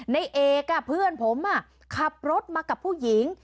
ในเอกเพื่อนผมขับรถมากับผู้หญิง